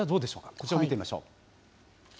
こちらを見てみましょう。